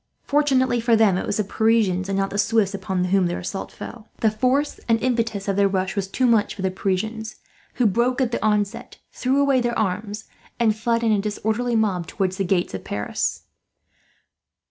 Fortunately for them it was the Parisians, and not the Swiss, upon whom their assault fell. The force and impetus of their rush was too much for the Parisians, who broke at the onset, threw away their arms, and fled in a disorderly mob towards the gates of Paris.